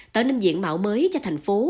tạo nên diện mạo mới cho thành phố